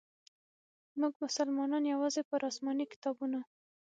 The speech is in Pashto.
موږ مسلمانانو یوازي پر اسماني کتابونو.